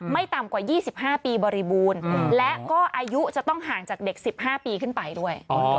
ต่ำกว่า๒๕ปีบริบูรณ์และก็อายุจะต้องห่างจากเด็ก๑๕ปีขึ้นไปด้วย